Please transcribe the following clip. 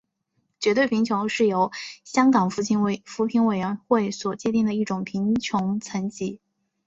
绝对贫穷是由香港扶贫委员会所界定的一种贫穷层级。